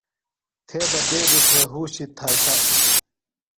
تھےۡ بہ دیدی تھے ہوشی تھائݜاتو۔